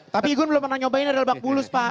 tapi igun belum pernah nyobain dari lebak bulut pak